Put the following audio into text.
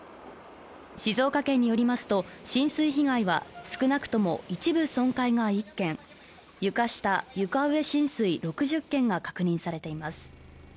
静岡県によりますと浸水被害は少なくとも一部損壊が１件床下・床上浸水６０件が確認されています